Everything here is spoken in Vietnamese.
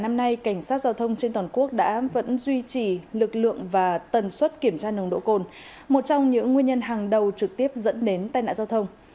giao thông nghiêm trọng trên toàn quốc đã vẫn duy trì lực lượng và tần suất kiểm tra nồng độ cồn một trong những nguyên nhân hàng đầu trực tiếp dẫn đến tai nạn giao thông